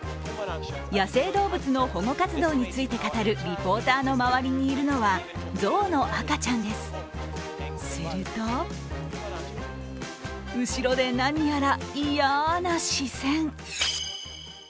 野生動物の保護活動について語るリポーターの周りにいるのは象の赤ちゃんです、すると、後ろで何やらいやな視線。